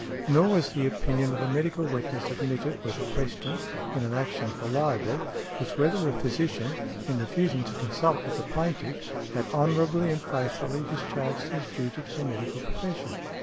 Nor was the opinion of a medical witness admitted where the question, in an action for libel, was whether a physician in refusing to consult with the plaintiff had honorably and faithfully discharged his duty to the medical profession.